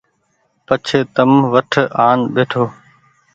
پڇ تم وٽ آن ٻهيٺو